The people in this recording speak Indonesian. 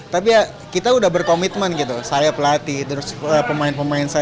tapi ya kita udah berkomitmen gitu saya pelatih terus pemain pemain saya